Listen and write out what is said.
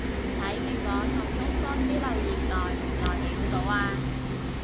睇蘋果同東方啲留言代唔代表到吖